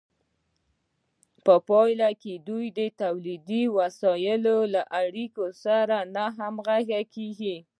په پایله کې دوی د تولیدي وسایلو له اړیکو سره ناهمغږې کیږي.